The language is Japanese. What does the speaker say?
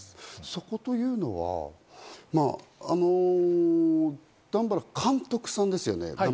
そこというのは、段原さんは監督さんですよね。